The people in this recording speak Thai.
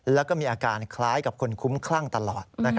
แล้วก็มีอาการคล้ายกับคนคุ้มคลั่งตลอด